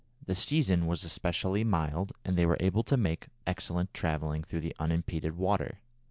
The season was especially mild, and they were able to make excellent travelling through the unimpeded water.